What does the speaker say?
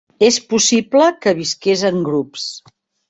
És possible que visqués en grups.